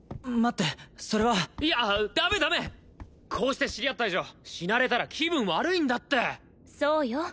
待ってそれはいやダメダメこうして知り合った以上死なれたら気分悪いんだってそうよ